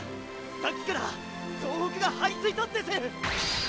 さっきから総北が張りついとっです！